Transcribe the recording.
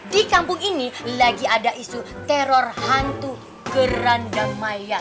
di kampung ini lagi ada isu teror hantu kerandang maya